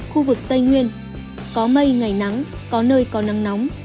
khu vực tây nguyên có mây ngày nắng có nơi có nắng nóng